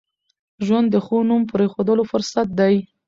ژوند د ښو نوم پرېښوولو فرصت دی.